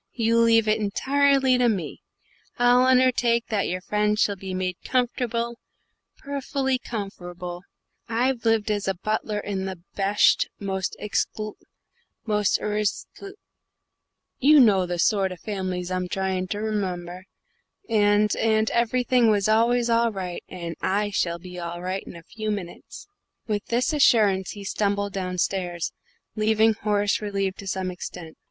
"You leave it entirely to me. I'll unnertake that your friends shall be made comforrable, perfelly comforrable. I've lived as butler in the besht, the mosht ecxlu most arishto you know the sort o' fam'lies I'm tryin' to r'member and and everything was always all ri', and I shall be all ri' in a few minutes." With this assurance he stumbled downstairs, leaving Horace relieved to some extent.